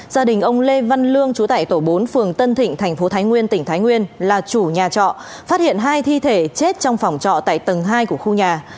gia đình ông lê văn lương chú tại tổ bốn phường tân thịnh thành phố thái nguyên tỉnh thái nguyên là chủ nhà trọ phát hiện hai thi thể chết trong phòng trọ tại tầng hai của khu nhà